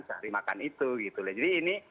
cari makan itu gitu jadi ini